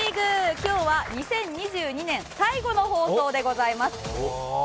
今日は２０２２年最後の放送でございます。